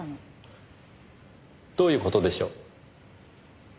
どういう事でしょう？